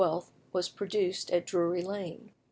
was produced at Drury Lane.